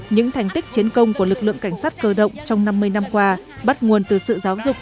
những thành tích chiến công của lực lượng cảnh sát cơ động trong năm mươi năm qua bắt nguồn từ sự giáo dục